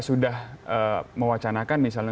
sudah mewacanakan misalnya